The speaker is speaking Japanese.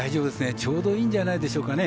ちょうどいいんじゃないでしょうかね。